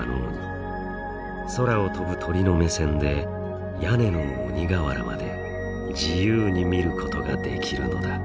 空を飛ぶ鳥の目線で屋根の鬼瓦まで自由に見ることができるのだ。